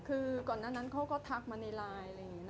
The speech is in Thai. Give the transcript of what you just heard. คือก่อนนั้นนั้นเขาก็ทักมาในไลน์